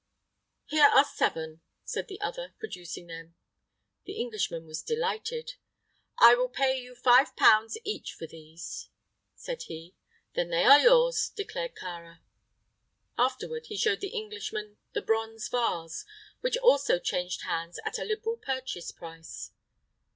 "Here are seven," said the other, producing them. The Englishman was delighted. "I will pay you five pounds each for these," said he. "Then they are yours," declared Kāra. Afterward he showed the Englishman the bronze vase, which also changed hands at a liberal purchase price.